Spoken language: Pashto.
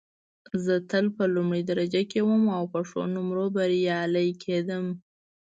زه تل په لومړۍ درجه کې وم او په ښو نومرو بریالۍ کېدم